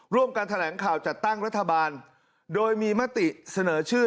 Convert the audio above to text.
ร่วมกันแถลงข่าวจัดตั้งรัฐบาลโดยมีมติเสนอชื่อ